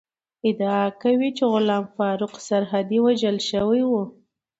ادعا کوي چې غلام فاروق سرحدی وژل شوی ؤ